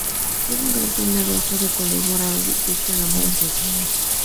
Lleva un gran peinado afro de color morado y viste a la moda funky.